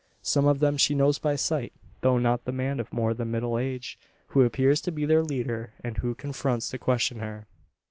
Some of them she knows by sight; though not the man of more than middle age, who appears to be their leader, and who confronts, to question her.